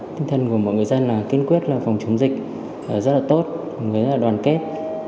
tinh thần của mọi người dân là kiên quyết phòng chống dịch rất là tốt mọi người rất là đoàn kết